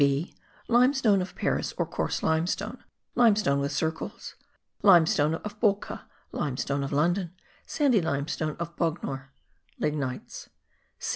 (b) Limestone of Paris or coarse limestone, limestone with circles, limestone of Bolca, limestone of London, sandy limestone of Bognor; lignites.